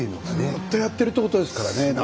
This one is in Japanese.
ずっとやってるってことですからね。